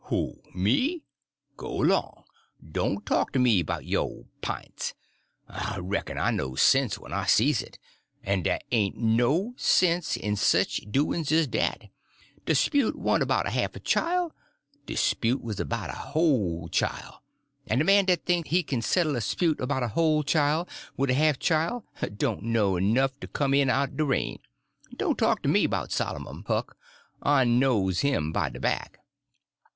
"Who? Me? Go 'long. Doan' talk to me 'bout yo' pints. I reck'n I knows sense when I sees it; en dey ain' no sense in sich doin's as dat. De 'spute warn't 'bout a half a chile, de 'spute was 'bout a whole chile; en de man dat think he kin settle a 'spute 'bout a whole chile wid a half a chile doan' know enough to come in out'n de rain. Doan' talk to me 'bout Sollermun, Huck, I knows him by de back."